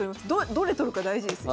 どれ取るか大事ですよ。